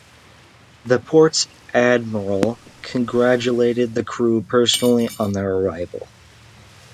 The port's admiral congratulated the crew personally on their arrival.